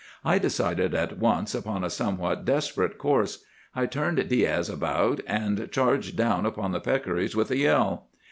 I decided at once upon a somewhat desperate course. I turned Diaz about, and charged down upon the peccaries with a yell.